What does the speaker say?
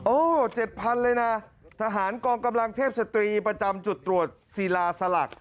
๗๐๐เลยนะทหารกองกำลังเทพสตรีประจำจุดตรวจศิลาสลัก